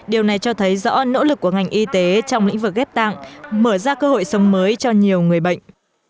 điều này cho thấy rõ nỗ lực của ngành y tế trong lĩnh vực ghép tạng mở ra cơ hội sống mới cho nhiều người bệnh